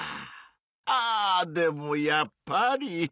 あでもやっぱり。